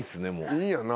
いいんやな。